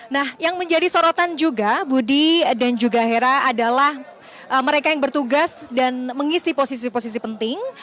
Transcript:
nah yang menjadi sorotan juga budi dan juga hera adalah mereka yang bertugas dan mengisi posisi posisi penting